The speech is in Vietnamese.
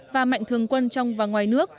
và mạnh thường quân trong và ngoài nước